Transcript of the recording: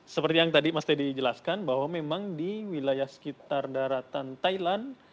seperti yang tadi mas teddy jelaskan bahwa memang di wilayah sekitar daratan thailand